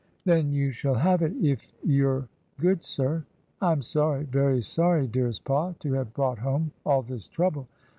'Then you shall have it if you're good, sir. I am sorry, very sorry, dearest pa, to have brought home all this trouble.'